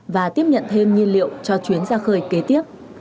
và tiếp nhận thêm nhiên liệu cho chuyến ra khơi kế tiếp